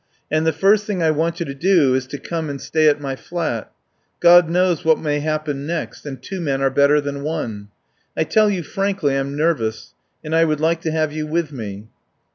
"And the first thing I want you to do is to come and stay at my flat. God knows what may happen next, and two men are better than one. I tell you frankly, I'm nervous, and I would like to have you with me."